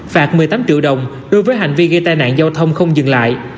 phạt một mươi tám triệu đồng đối với hành vi gây tai nạn giao thông không dừng lại